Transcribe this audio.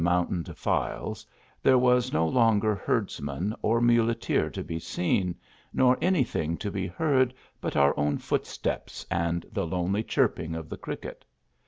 mountain defiles, there was no longer herdsman or muleteer to be seen, nor any thing to be heard but our own foot steps and the lonely chirping of the cricket.